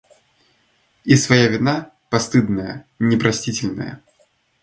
И своя вина, постыдная, непростительная!